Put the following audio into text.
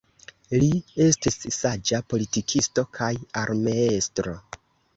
Li estis saĝa politikisto kaj armeestro.